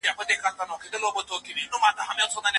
زه په یو کوچني دوکان کې مزدوري کوم.